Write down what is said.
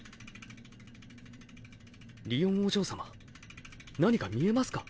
りおんお嬢様何か見えますか？